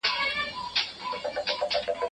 که انټرنیټ نه وای نو معلومات به کم وو.